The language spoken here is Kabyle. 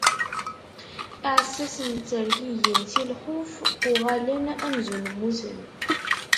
Iɛessasen ttergigin si lxuf, uɣalen amzun mmuten.